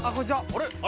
あれ？